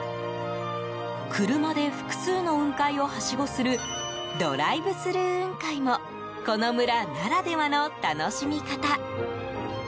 車で、複数の雲海をはしごするドライブスルー雲海もこの村ならではの楽しみ方。